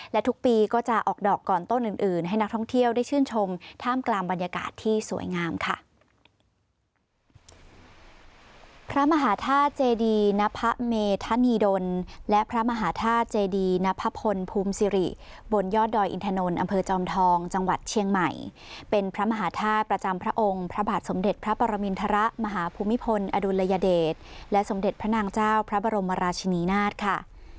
และทุกปีก็จะออกดอกก่อนต้นอื่นให้นักท่องเที่ยวได้ชื่นชมท่ามกลางบรรยากาศที่สวยงามค่ะ